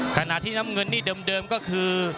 ขณะที่น้ำเงินนี่เดิมก็คือ